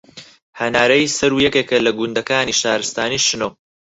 هەنارەی سەروو یەکێکە لە گوندەکانی شارستانی شنۆ